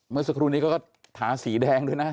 เมื่อสักครู่นี้ก็ทาสีแดงด้วยนะ